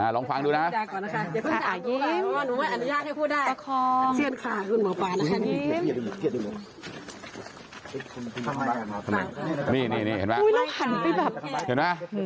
ลองฟังดูนะ